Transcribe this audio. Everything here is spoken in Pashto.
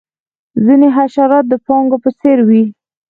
ځینې حشرات د پاڼو په څیر وي